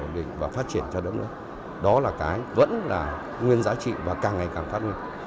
ổn định và phát triển cho đất nước đó là cái vẫn là nguyên giá trị và càng ngày càng phát huy